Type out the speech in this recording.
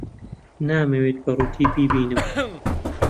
نامەوێت بە ڕووتی بیبینم.